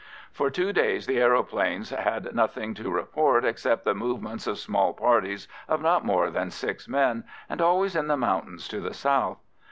For two days the aeroplanes had nothing to report except the movements of small parties of not more than six men, and always in the mountains to the south.